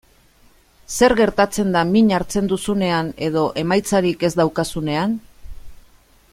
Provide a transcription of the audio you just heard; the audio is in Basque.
Zer gertatzen da min hartzen duzunean edo emaitzarik ez daukazunean?